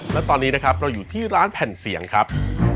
และตอนนี้นะครับเราอยู่ที่ร้านแผ่นเสียงครับ